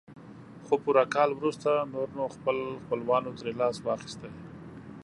خو پوره کال وروسته نور نو خپل خپلوانو ترې لاس واخيست.